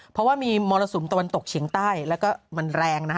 เพราะว่ามีมรสุมตะวันตกเฉียงใต้แล้วก็มันแรงนะคะ